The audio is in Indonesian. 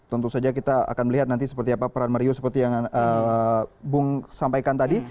tentu saja kita akan melihat nanti seperti apa peran mario seperti yang bung sampaikan tadi